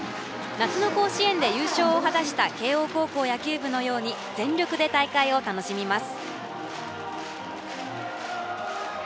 夏の甲子園で優勝を果たした慶応高校野球部のように全力で大会を楽しみます。